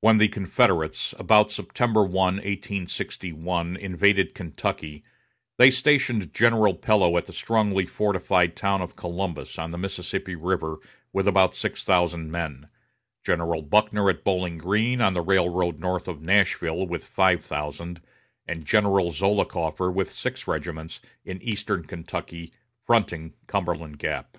When the Confederates, about September 1, 1861, invaded Kentucky, they stationed General Pillow at the strongly fortified town of Columbus on the Mississippi River, with about six thousand men; General Buckner at Bowling Green, on the railroad north of Nashville, with five thousand; and General Zollicoffer, with six regiments, in eastern Kentucky, fronting Cumberland Gap.